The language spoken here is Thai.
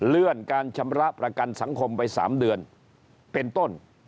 เลื่อนการชำระประกันสังคมไป๓เดือนเป็นต้น